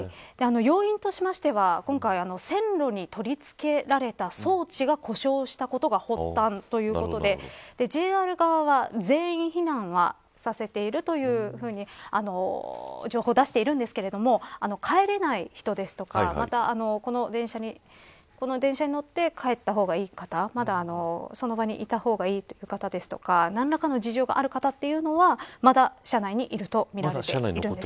要因としましては、線路に取り付けられた装置が故障したことが発端ということでＪＲ側は全員避難はさせているというふうに情報を出しているんですが帰れない人ですとかこの電車に乗って帰った方がいい方まだ、その場にいた方がいい方とか何らかの事情がある方というのはまだ車内にいるということです。